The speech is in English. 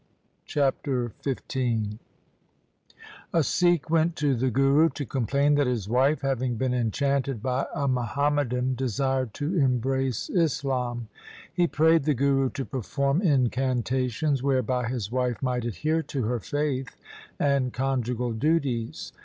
Chapter XV A Sikh went to the Guru, to complain that his wife having been enchanted by a Muhammadan desired to embrace Islam. He prayed the Guru to perform incantations whereby his wife might adhere to her faith and conjugal duties.